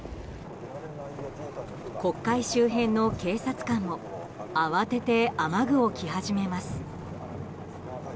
国会周辺の警察官も慌てて雨具を着始めます。